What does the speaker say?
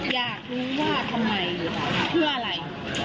อยากรู้ว่าทำไมเพื่ออะไร